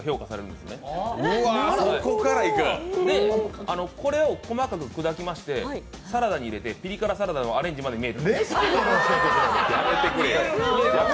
で、これを細かく砕きましてサラダに入れてピリ辛サラダのアレンジまで見えてる。